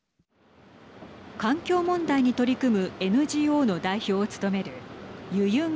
環境問題に取り組むＮＧＯの代表を務めるユユン・